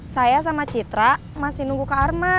saya sama citra masih nunggu kak arman